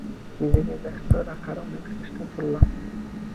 নিজেকে ব্যস্ত রাখার অনেক চেষ্টা করলাম।